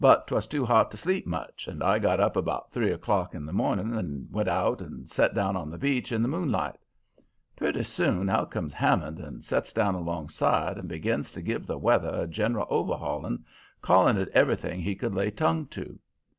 "But 'twas too hot to sleep much, and I got up about three o'clock in the morning and went out and set down on the beach in the moonlight. Pretty soon out comes Hammond and sets down alongside and begins to give the weather a general overhauling, callin' it everything he could lay tongue to.